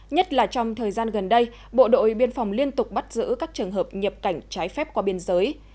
nhất là trong thời gian gần đây bộ đội biên phòng liên tục bắt giữ các trường hợp nhập cảnh trái phép qua biên giới